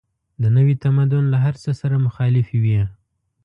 د نوي تمدن له هر څه سره مخالفې وې.